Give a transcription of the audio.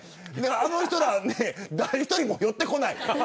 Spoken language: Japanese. あの人ら誰一人寄ってこない。